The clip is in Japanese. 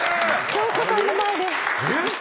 恭子さんの前で。